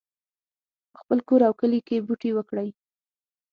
په خپل کور او کلي کې بوټي وکرئ